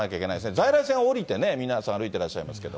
在来線は降りてね、皆さん歩いてらっしゃいますけど。